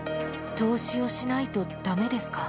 投資をしないとだめですか？